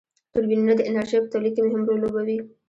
توربینونه د انرژی په تولید کی مهم رول لوبوي.